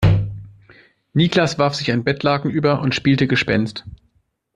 Niklas warf sich ein Bettlaken über und spielte Gespenst.